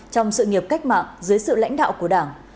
trong sự nghiệp cách mạng dưới sự lãnh đạo của đảng